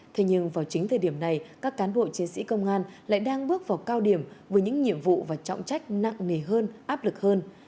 thế nhưng vào chính thời điểm này các cán bộ chiến sĩ công an lại đang bước vào cao điểm với những nhiệm vụ và trọng trách nặng nề hơn áp lực hơn